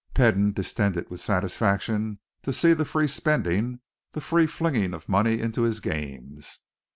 Peden distended with satisfaction to see the free spending, the free flinging of money into his games.